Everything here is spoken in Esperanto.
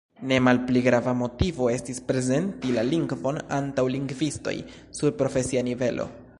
Ne malpli grava motivo estis prezenti la lingvon antaŭ lingvistoj sur profesia nivelo.